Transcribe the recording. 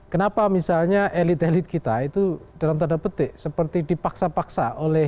kenapa misalnya elit elit kita itu dalam tanda petik seperti dipaksa paksa oleh